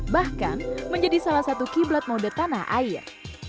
bahkan menjadi salah satu kiblat mode tanah air